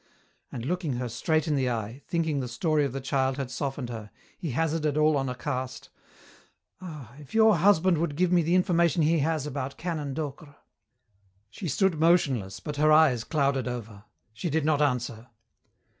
And looking her straight in the eye, thinking the story of the child had softened her, he hazarded all on a cast, "Ah! if your husband would give me the information he has about Canon Docre!" She stood motionless, but her eyes clouded over. She did not answer.